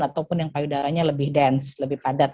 ataupun yang payudaranya lebih dance lebih padat